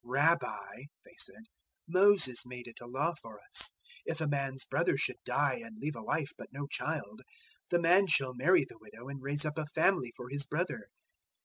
012:019 "Rabbi," they said, "Moses made it a law for us: 'If a man's brother should die and leave a wife, but no child, the man shall marry the widow and raise up a family for his brother.'